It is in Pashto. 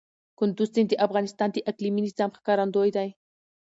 کندز سیند د افغانستان د اقلیمي نظام ښکارندوی دی.